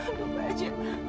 ndung pak ejie